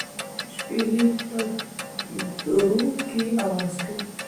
شپېلۍ په درو کې اواز کوي.